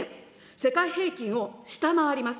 世界平均を下回ります。